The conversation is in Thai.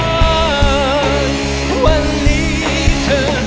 เพราะวันนี้เธอ